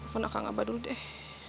telepon kakak ngabar dulu deh